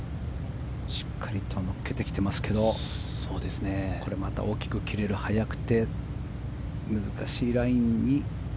しっかりと乗っけてきていますがこれまた大きく切れる速くて難しいラインに。